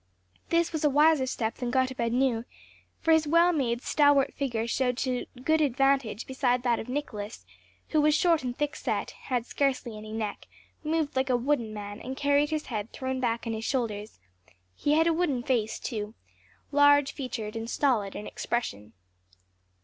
This was a wiser step than Gotobed knew; for his well made, stalwart figure showed to good advantage beside that of Nicholas, who was short and thick set, had scarcely any neck, moved like a wooden man, and carried his head thrown back on his shoulders; he had a wooden face, too; large featured and stolid in expression.